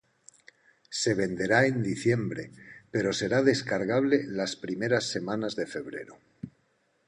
Se venderá en diciembre, pero será descargable las primeras semanas de febrero.